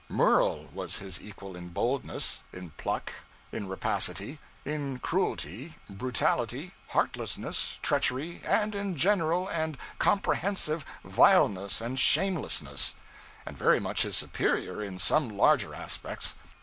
Murel was his equal in boldness; in pluck; in rapacity; in cruelty, brutality, heartlessness, treachery, and in general and comprehensive vileness and shamelessness; and very much his superior in some larger aspects.